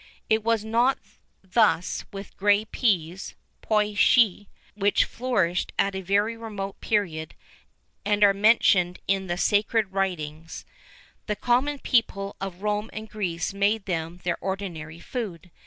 It was not thus with grey peas (pois chiche), which flourished at a very remote period, and are mentioned in the sacred writings.[VIII 28] The common people of Rome and Greece made them their ordinary food.